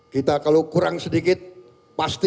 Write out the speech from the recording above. kita kalau kurang sedikit pasti